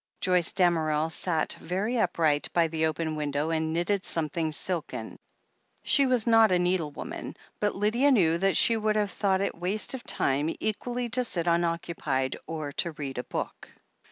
Joyce Damerel sat, very upright, by the open win dow, and knitted something silken. She was not a needlewoman, but Lydia knew that she would have thought it waste of time equally to sit unoccupied, or to read a book.